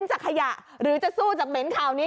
จากขยะหรือจะสู้จากเหม็นข่าวนี้